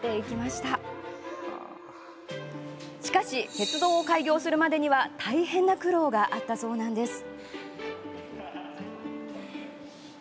しかし、鉄道を開業するまでには大変な苦労があったそうなんです。